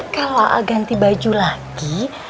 kalau a a ganti baju lagi